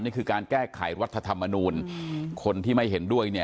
นี่คือการแก้ไขรัฐธรรมนูลคนที่ไม่เห็นด้วยเนี่ย